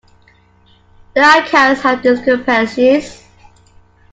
The accounts have discrepancies.